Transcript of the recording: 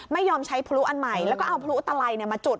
ไม่ยอมใช้พลุอันใหม่แล้วก็เอาพลุตะไลมาจุด